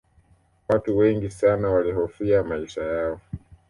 watu wengi sana walihofia maisha yao